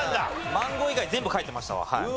マンゴー以外全部書いてましたわ。